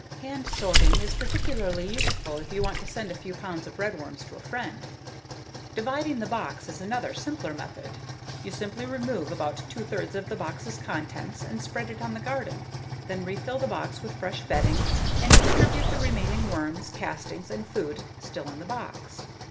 Hand sorting is particularly useful if you want to give a few pounds of redworms to a friend. Dividing the box is another, simpler method. You simply remove about two thirds of the box's contents and spread it on the garden. Then refill the box with fresh bedding and distribute the remaining worms, castings, and food still in the box.